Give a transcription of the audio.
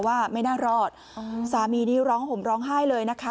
ว่าไม่น่ารอดสามีนี้ร้องห่มร้องไห้เลยนะคะ